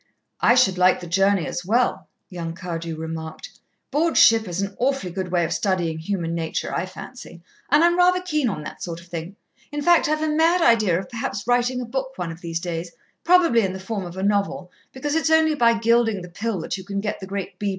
"I should like the journey as well," young Cardew remarked. "Board ship is an awfully good way of studying human nature, I fancy, and I'm rather keen on that sort of thing. In fact, I've a mad idea of perhaps writing a book one of these days, probably in the form of a novel, because it's only by gilding the pill that you can get the great B.